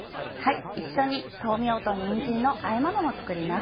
一緒に「豆苗とにんじんのあえもの」も作ります。